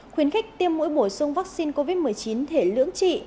khuyến khích tiêm mũi bổ sung vaccine covid một mươi chín thể lưỡng trị